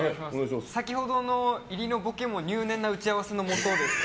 先ほどの入りのボケも入念な打ち合わせのもとですか？